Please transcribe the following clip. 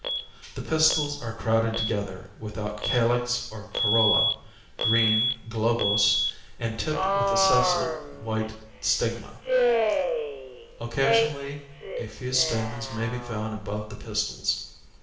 The pistils are crowded together, without calyx or corolla, green, globose and tipped with a sessile white stigma; occasionally a few stamens may be found above the pistils.